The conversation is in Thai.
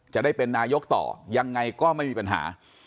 จะได้เป็นนายกต่อยังไงก็ไม่มีปัญหา